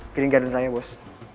kirin gak ada nanya bos